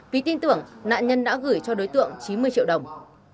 vì tin tưởng nạn nhân đã gửi cho đối tượng